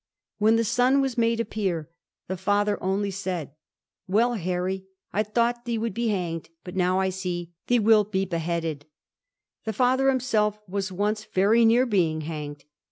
When the son was made a peer the father only said, * Well, Harry, I thought thee would be hanged, but now I see thee wilt be beheaded/ The father himself was once very near being hanged.